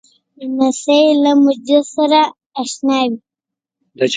لمسی له مسجد سره اشنا وي.